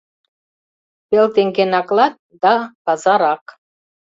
Пел теҥге наклат, да... пазар ак.